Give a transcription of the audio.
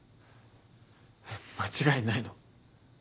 間違いないの？